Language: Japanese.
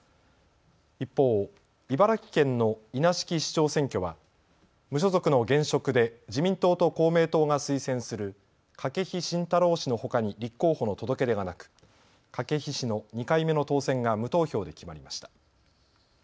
一方、茨城県の稲敷市長選挙は無所属の現職で自民党と公明党が推薦する筧信太郎氏のほかに立候補の届け出がなく、筧氏の２回目の当選が無投票で決まりました。